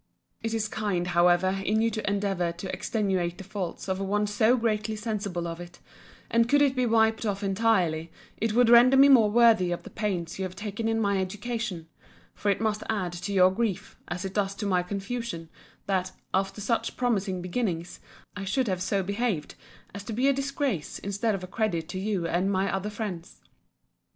It is kind, however, in you to endeavour to extenuate the faults of one so greatly sensible of it: and could it be wiped off entirely, it would render me more worthy of the pains you have taken in my education: for it must add to your grief, as it does to my confusion, that, after such promising beginnings, I should have so behaved as to be a disgrace instead of a credit to you and my other friends.